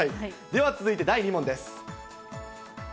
では、続いて第２問です。